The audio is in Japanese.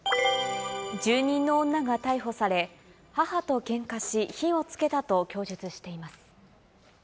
住人の女が逮捕され、母とけんかし、火をつけたと供述しています。